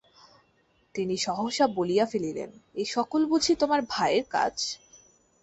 তিনি সহসা বলিয়া ফেলিলেন, এ-সকল বুঝি তোমার ভাইয়ের কাজ?